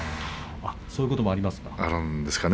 そういうこともありますか。